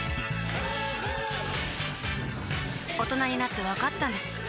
大人になってわかったんです